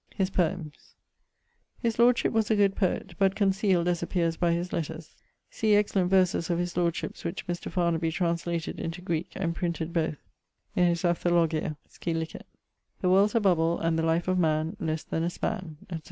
<_His poems._> His lordship was a good poet, but conceal'd, as appeares by his letters. See excellent verses of his lordship's which Mr. Farnaby translated into Greeke, and printed both in his Ἀνθολογία, scil. The world's a bubble, and the life of man Less then a span, etc.